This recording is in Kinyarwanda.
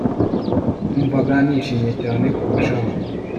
numvaga nishimye cyane kurushaho